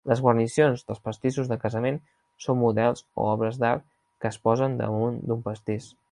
Les guarnicions dels pastissos de casament són models o obres d'art que es posen damunt d'un pastís.